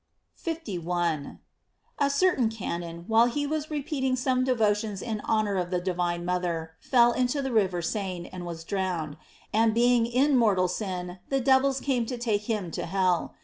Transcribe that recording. f 51. — A certain canon, while he was repeating •ome devotions in honor of the divine mother, fell into the river Seine and was drowned, and being in mortal sin, the devils came to take him Co hell.